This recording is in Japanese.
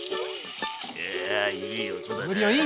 いやいい音だね。